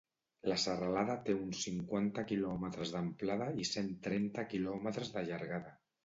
La serralada té uns cinquanta quilòmetres d'amplada i cent trenta quilòmetres de llargada.